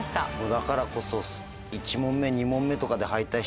だからこそ。